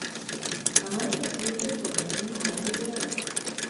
あまりに空いてると逆に入りづらい